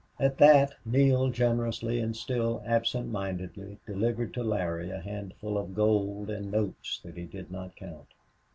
At that Neale generously and still absent mindedly delivered to Larry a handful of gold and notes that he did not count.